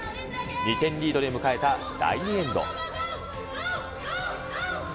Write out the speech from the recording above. ２点リードで迎えた第２エンド。